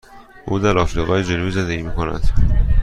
او در آفریقای جنوبی زندگی می کند.